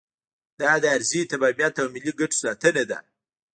دا د ارضي تمامیت او ملي ګټو ساتنه ده.